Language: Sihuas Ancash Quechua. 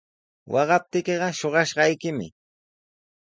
Waqaptiykiqa shuqashqaykimi.